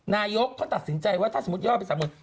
นายกเขาตัดสินใจว่าถ้าสมมุติยอดเป็นสมมุติ